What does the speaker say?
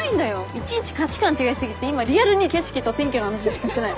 いちいち価値観違い過ぎて今リアルに景色と天気の話しかしてない。